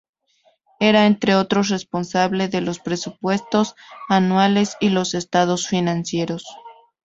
Era entre otros responsable de los presupuestos anuales y los estados financieros.